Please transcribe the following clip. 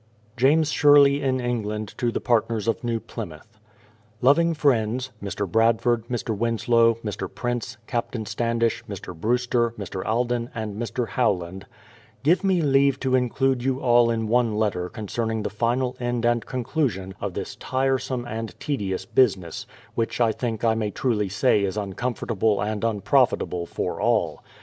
James Sherley in England to the partners of New Plymottth: Loving Friends, — Mr. Bradford, Mr. Winslow, Mr. Prince, Captain Standish, Mr. Brewster, Mr. Alden, and Mr. Howland, Give me leave to include you all in one letter concerning the final end and conclusion of this tiresome and tedious business, which I think I may truly say is uncomfortable and unprofitable for all.